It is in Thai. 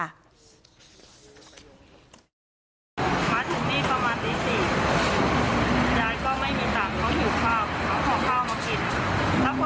มาถึงนี่ประมาณตี๔ยายก็ไม่มีตังค์เขาหิวข้าวเขาขอข้าวมากิน